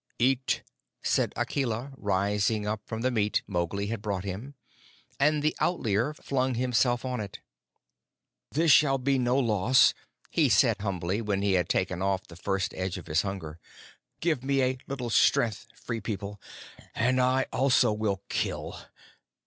"Eat," said Akela, rising up from the meat Mowgli had brought him, and the Outlier flung himself on it. "This shall be no loss," he said humbly, when he had taken off the first edge of his hunger. "Give me a little strength, Free People, and I also will kill.